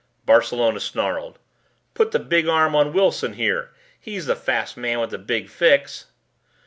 Barcelona snarled, "Put the big arm on Wilson here. He's the fast man with the big fix."